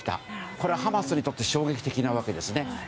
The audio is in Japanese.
これはハマスにとって衝撃的なわけですね。